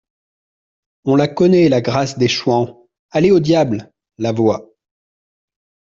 On la connaît, la grâce des chouans ! Allez au diable ! LA VOIX.